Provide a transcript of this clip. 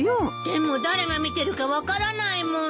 でも誰が見てるか分からないもの。